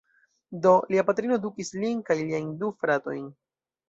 Do, lia patrino edukis lin kaj liajn du fratojn.